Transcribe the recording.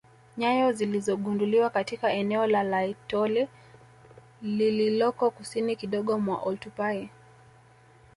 Nyayo zilizogunduliwa katika eneo la Laetoli lililoko kusini kidogo mwa Oltupai